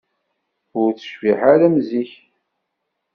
Ur tecbiḥ ara am zik.